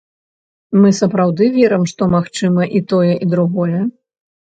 Мы сапраўды верым, што магчыма і тое, і другое.